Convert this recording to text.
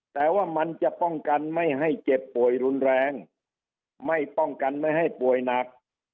แต่ว่ามันจะป้องกันไม่ให้เจ็บป่วยรุนแรงไม่ป้องกันไม่ให้ป่วยหนัก